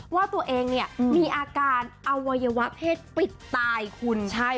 ว่าตัวเองเนี่ยมีอาการอวัยวะเพศปิดตายคุณใช่